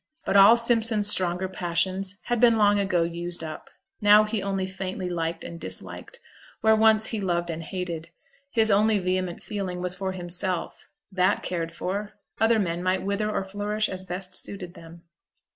But all Simpson's stronger passions had been long ago used up; now he only faintly liked and disliked, where once he loved and hated; his only vehement feeling was for himself; that cared for, other men might wither or flourish as best suited them.